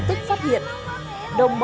đi xe buýt đi